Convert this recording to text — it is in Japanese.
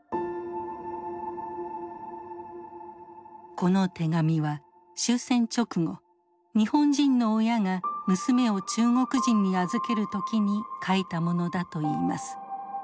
この手紙は終戦直後日本人の親が娘を中国人に預ける時に書いたものだといいます。